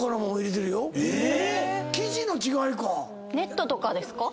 生地の違いか。